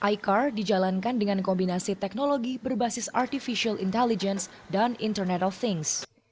icar dijalankan dengan kombinasi teknologi berbasis artificial intelligence dan internet of things